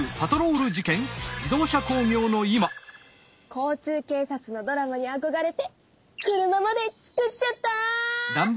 交通警察のドラマにあこがれて車まで作っちゃった。